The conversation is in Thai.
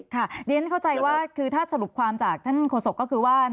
ค่ะเดี๋ยวนั้นเข้าใจว่าถ้าสรุปความจากท่านโฆษก็คือว่า